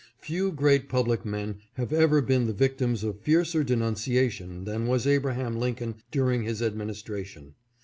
Few great public men have ever been the victims of fiercer denun ciation than was Abraham Lincoln during his administra tion.